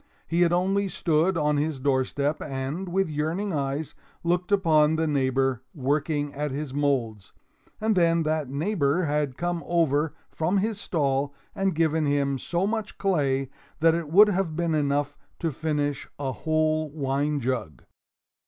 He had only stood on his doorstep and, with yearning eyes, looked upon the neighbor working at his molds, and then that neighbor had come over from his stall and given him so much clay that it would have been enough to finish a whole wine jug.